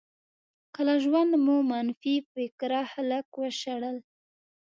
که له ژونده مو منفي فکره خلک وشړل.